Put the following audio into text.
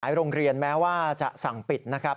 โรงเรียนแม้ว่าจะสั่งปิดนะครับ